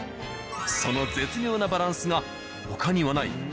その絶妙なバランスが他にはない